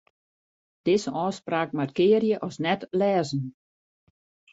Dizze ôfspraak markearje as net-lêzen.